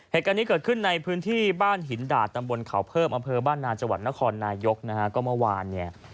เหตุการณ์นี้เกิดขึ้นในพื้นที่บ้านหินดาดตำบลเขาเพิ่มอำเภอบ้านนาจังหวัดนครนายกนะฮะก็เมื่อวานเนี่ย